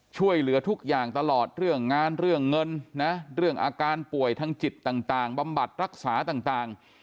ช่วยเหลือทุกอย่างตลอดเรื่องงานเรื่องเงินนะเรื่องอาการป่วยทางจิตต่างบำบัดรักษาต่าง